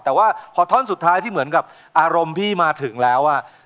แต่ว่าพอท่อนสุดท้ายที่เหมือนกับอารมณ์พี่มาถึงแล้ว